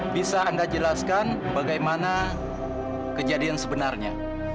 bisa anda jelaskan bagaimana kejadian sebenarnya